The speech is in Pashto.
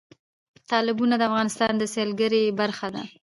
تالابونه د افغانستان د سیلګرۍ برخه ده.